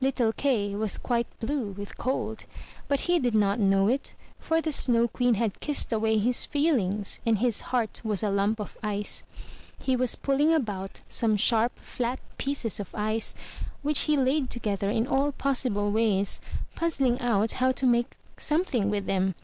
Little Kay was quite blue with cold; but he did not know it, for the Snow Queen had kissed away his feelings, and his heart was a lump of ice. He was pulling about some sharp, flat pieces of ice, which he laid together in all possible ways, puzzling out how to make something with them.